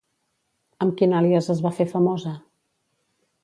Amb quin àlies es va fer famosa?